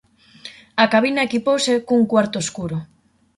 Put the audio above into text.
A cabina equipouse cun cuarto escuro.